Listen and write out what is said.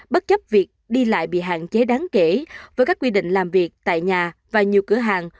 bất chấp việc đi lại bị hạn chế đáng kể với các quy định làm việc tại nhà và nhiều cửa hàng